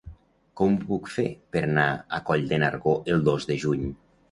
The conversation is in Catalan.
Com ho puc fer per anar a Coll de Nargó el dos de juny?